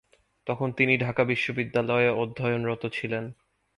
তখন তিনি ঢাকা বিশ্ববিদ্যালয়ে অধ্যয়নরত ছিলেন।